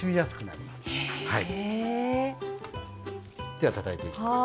ではたたいていきます。